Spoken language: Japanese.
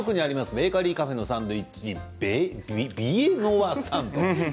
ベーカリーカフェのサンドイッチヴィエノワ・サンド。